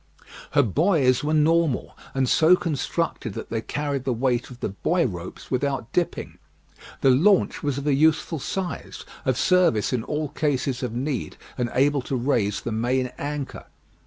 Her buoys were normal, and so constructed that they carried the weight of the buoy ropes without dipping. The launch was of a useful size, of service in all cases of need, and able to raise the main anchor.